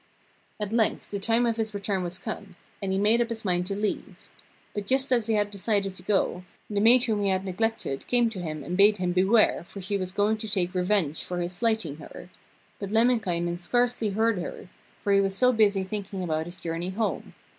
At length the time of his return was come, and he made up his mind to leave. But just as he had decided to go, the maid whom he had neglected came to him and bade him beware, for she was going to take revenge for his slighting her; but Lemminkainen scarcely heard her, for he was so busy thinking about his journey home.